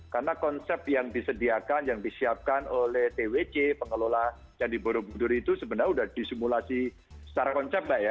karena konsep yang disediakan yang disiapkan oleh twc pengelola candi borobudur itu sebenarnya sudah disimulasi secara konsep mbak ya